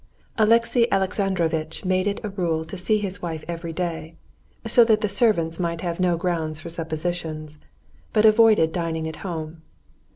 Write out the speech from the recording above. Alexey Alexandrovitch made it a rule to see his wife every day, so that the servants might have no grounds for suppositions, but avoided dining at home.